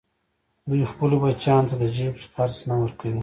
دوی خپلو بچیانو ته د جېب خرڅ نه ورکوي